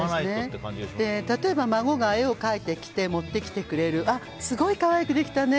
例えば、孫が絵を描いてきて持ってきてくれるあ、すごい可愛くできたね